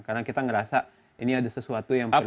karena kita ngerasa ini ada sesuatu yang perlu kita